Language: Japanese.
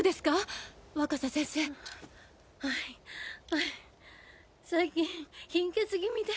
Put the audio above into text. ははい最近貧血気味で。